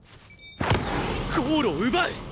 ゴールを奪う！